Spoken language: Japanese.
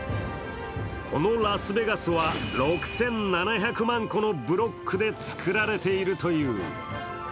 このラスベガスは６７００万個のブロックで作られているという。